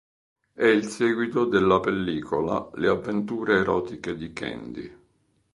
È il seguito della pellicola "Le avventure erotiche di Candy".